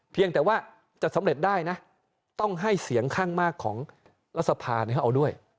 เพียงแต่ว่าจะสำเร็จได้นะต้องให้เสียงข้างมากของรัฐสภาเอาด้วย